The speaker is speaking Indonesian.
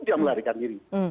dia melarikan diri